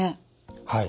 はい。